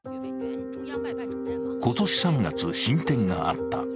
今年３月、進展があった。